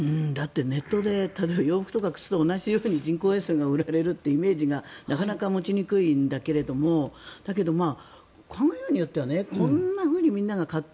ネットで洋服とか靴とかと同じように人工衛星が売られるというイメージがなかなか持ちにくいんだけどだけど、こんなふうにみんなが買って